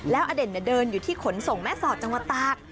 แล้วอเด่นเดินอยู่ที่ขนส่งแม่สอดจังหวัดตาก